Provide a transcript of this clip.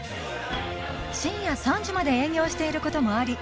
深夜３時まで営業していることもあり